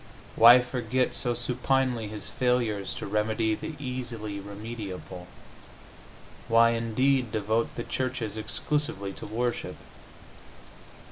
Why forget so supinely His failures to remedy the easily remediable? Why, indeed, devote the churches exclusively to worship?